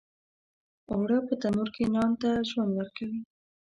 اوړه په تنور کې نان ته ژوند ورکوي